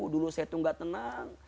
dulu saya itu tidak tenang